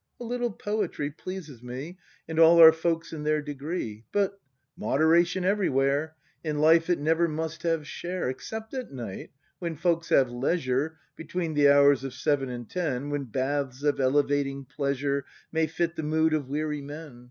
A little poetry pleases me. And all our folks, in their degree; But — moderation everywhere! In life it never must have share, — Except at night, when folks have leisure. Between the hours of seven and ten. When baths of elevating pleasure May fit the mood of weary men.